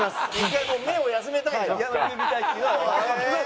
１回目を休めたいんだ。